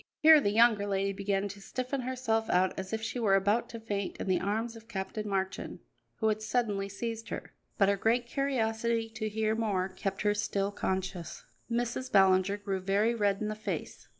Here the younger lady began to stiffen herself out as if she were about to faint in the arms of Captain Marchand, who had suddenly seized her; but her great curiosity to hear more kept her still conscious. Mrs. Ballinger grew very red in the face.